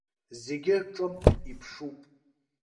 Зегьы ҿымҭ иԥшуп.